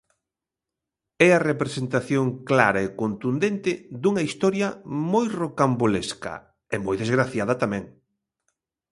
É a representación clara e contundente dunha historia moi rocambolesca e moi desgraciada tamén.